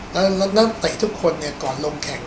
แล้วนักเตะทุกคนก่อนลงแข่ง